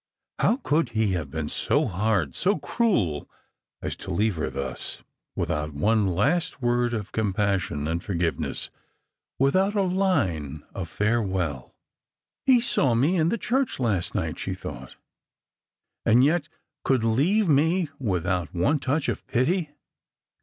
How could he have been so hard, so cruel, as to leave her thus : without one last word of compassion and forgiveness, without a line of farewell ?" He saw me in the church last night," she thought, " and yet could leave me without one touch of pity.